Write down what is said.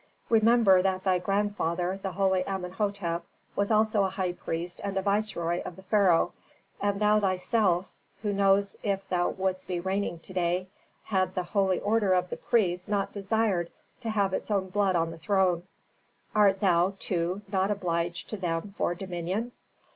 Remember that thy grandfather, the holy Amenhôtep, was also a high priest and a viceroy of the pharaoh, and thou thyself, who knows if thou wouldst be reigning to day, had the holy order of the priests not desired to have its own blood on the throne. Art thou, too, not obliged to them for dominion?"